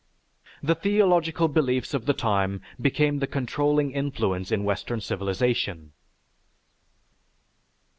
The theological beliefs of the time became the controlling influence in Western civilization.